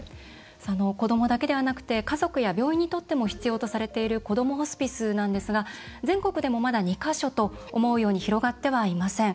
子どもだけではなくて家族や病院にとっても必要とされているこどもホスピスなんですが全国でもまだ２か所と思うように広がってはいません。